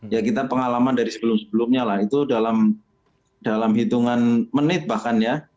ya kita pengalaman dari sebelum sebelumnya lah itu dalam hitungan menit bahkan ya